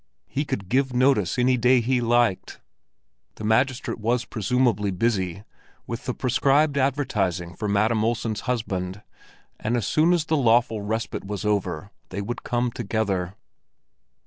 He could give notice any day he liked. The magistrate was presumably busy with the prescribed advertising for Madam Olsen's husband, and as soon as the lawful respite was over, they would come together.